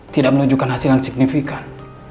tidak menunjukkan hasil yang signifikan